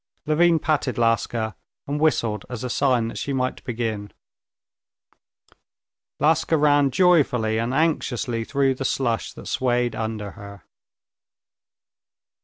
Levin patted Laska, and whistled as a sign that she might begin. Laska ran joyfully and anxiously through the slush that swayed under her.